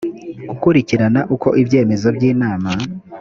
gukurikirana uko ibyemezo by inama